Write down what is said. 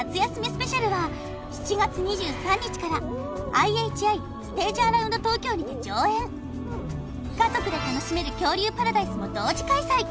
スペシャルは７月２３日からＩＨＩステージアラウンド東京にて上演家族で楽しめる恐竜パラダイスも同時開催